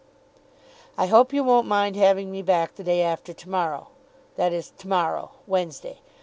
I hope you won't mind having me back the day after to morrow, that is to morrow, Wednesday.